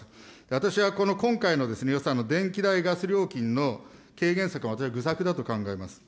私はこの今回の、予算の電気代・ガス料金の軽減策は愚策だと考えます。